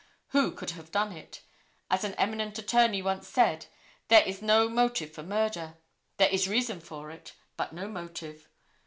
Who could have done it? As an eminent attorney once said, there is no motive for murder. There is reason for it, but no motive.